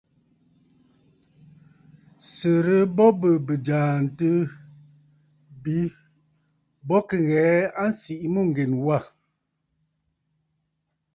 Sɨrɨ bo bɨ̀ bɨ̀jààntə̂ bi bɔ kì ghɛ̀ɛ a nsìʼi mûŋgèn wâ.